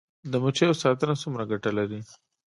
د مچیو ساتنه څومره ګټه لري؟